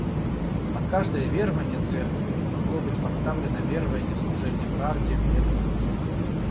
Под каждое верование церкви могло быть подставлено верование в служение правде вместо нужд.